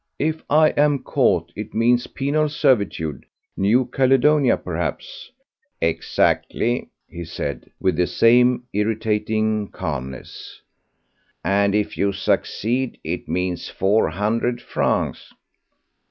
If I am caught, it means penal servitude—New Caledonia, perhaps—" "Exactly," he said, with the same irritating calmness; "and if you succeed it means four hundred francs.